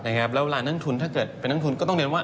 แล้วเวลานักทุนถ้าเกิดเป็นนักทุนก็ต้องเรียนว่า